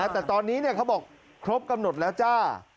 แต่ตอนนี้เขาบอกครบกำหนดแล้วจ้า